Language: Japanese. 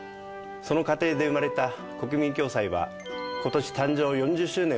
その過程で生まれたこくみん共済は今年誕生４０周年を迎えました。